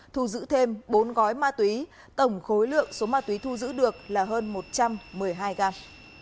thu giữ thêm bốn gói ma túy tổng khối lượng số ma túy thu giữ được là hơn một trăm một mươi hai g